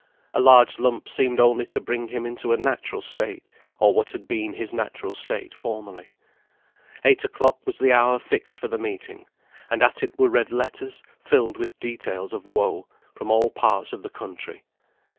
A large lump seemed only to bring him into a natural state, or what had been his natural state formerly. Eight o'clock was the hour fixed for the meeting; and at it were read letters, filled with details of woe, from all parts of the country.